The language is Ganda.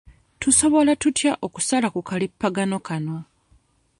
Tusobola tutya okusala ku kalippagano kano?